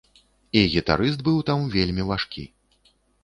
І гітарыст быў там вельмі важкі.